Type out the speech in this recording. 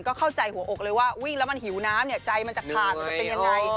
ก็เข้าใจหัวอกเลยว่าวิ่งแล้วมันหิวน้ำเนี่ยใจมันจะขาดมันจะเป็นยังไง